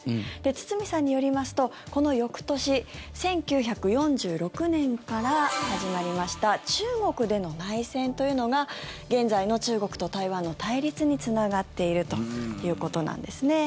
堤さんによりますと、この翌年１９４６年から始まりました中国での内戦というのが現在の中国と台湾の対立につながっているということなんですね。